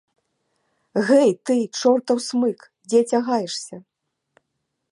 Гэй ты, чортаў смык, дзе цягаешся?